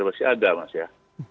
masih ada mas ya